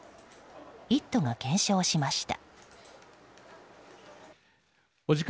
「イット！」が検証しました。